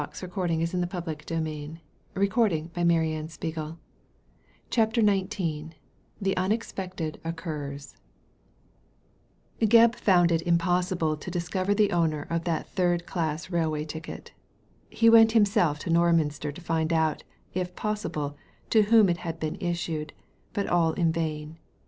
Digitized by Google CHAPTER XIX THE UNEXPECTED OCCURS Gebb found it impossible to discover the owner of that third class railway ticket He went himself to Norminster to find out, if possible, to whom it had been issued, but all in vain.